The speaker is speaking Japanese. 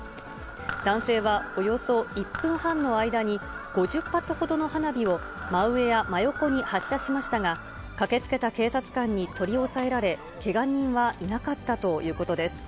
男性はおよそ１分半の間に、５０発ほどの花火を真上や真横に発射しましたが、駆けつけた警察官に取り押さえられ、けが人はいなかったということです。